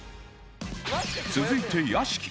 続いて屋敷